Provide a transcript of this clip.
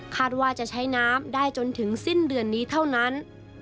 ว่าจะใช้น้ำได้จนถึงสิ้นเดือนนี้เท่านั้น